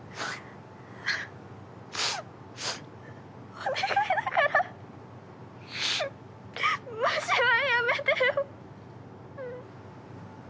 お願いだから無視はやめてよ。